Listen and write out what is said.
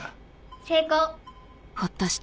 成功。